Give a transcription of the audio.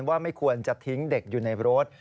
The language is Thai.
ว่าไม่ควรจะทิ้งเด็กอยู่ในรถ